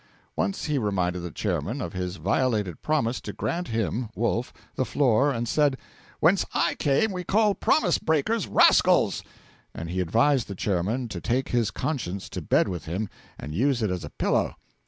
Once he reminded the Chairman of his violated promise to grant him (Wolf) the floor, and said, 'Whence I came, we call promise breakers rascals!' And he advised the Chairman to take his conscience to bed with him and use it as a pillow.